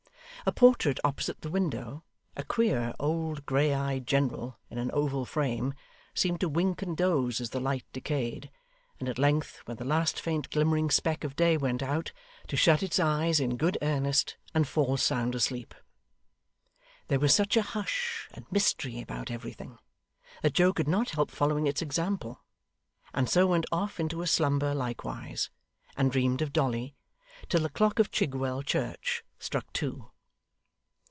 A portrait opposite the window a queer, old grey eyed general, in an oval frame seemed to wink and doze as the light decayed, and at length, when the last faint glimmering speck of day went out, to shut its eyes in good earnest, and fall sound asleep. There was such a hush and mystery about everything, that Joe could not help following its example; and so went off into a slumber likewise, and dreamed of Dolly, till the clock of Chigwell church struck two.